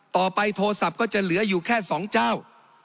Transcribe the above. โทรศัพท์ก็จะเหลืออยู่แค่๒เจ้า